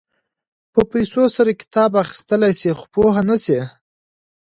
په پیسو سره کتاب اخيستلی شې خو پوهه نه شې.